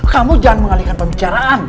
kamu jangan mengalihkan pembicaraan